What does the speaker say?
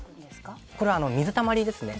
これは水たまりですね。